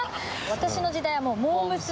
私の時代はもうモー娘。